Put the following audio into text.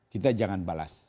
kita jangan balas